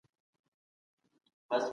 A ګروپ میرمنې زرخیزه وي.